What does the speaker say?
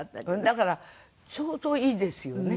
だからちょうどいいですよね。